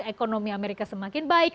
ekonomi amerika semakin baik